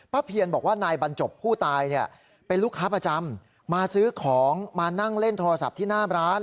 เพียนบอกว่านายบรรจบผู้ตายเนี่ยเป็นลูกค้าประจำมาซื้อของมานั่งเล่นโทรศัพท์ที่หน้าร้าน